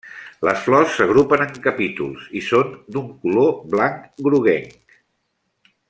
Les flors s'agrupen en capítols i són d'un color blanc-groguenc.